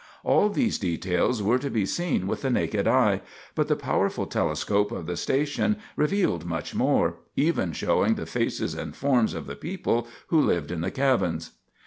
All these details were to be seen with the naked eye, but the powerful telescope of the station revealed much more, even showing the faces and forms of the people who lived in the cabins.